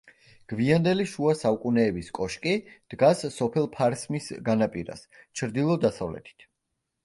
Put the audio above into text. გვიანდელი შუა საუკუნეების კოშკი დგას სოფელ ფარსმის განაპირას, ჩრდილო-დასავლეთით.